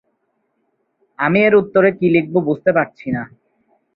আমি এর উত্তরে কি লিখব বুঝতে পাচ্ছি না।